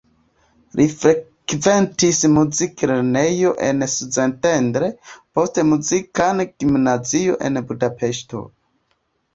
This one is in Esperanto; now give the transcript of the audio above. Li frekventis muziklernejon en Szentendre, poste muzikan gimnazion en Budapeŝto.